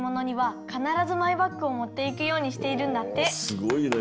すごいね。